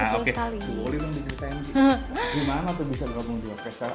boleh dong diceritain gimana tuh bisa gabung di orkestra